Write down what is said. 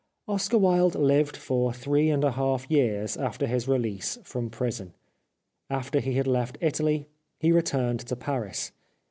Oscar Wilde lived for three and a half years after his release from prison. After he had left Italy he returned to Paris.